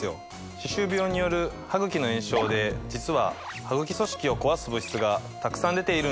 歯周病によるハグキの炎症で実はハグキ組織を壊す物質がたくさん出ているんです。